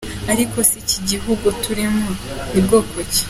Ariko se iki gihugu turimo ni bwoko ki ?”